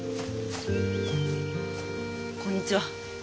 こんにちは。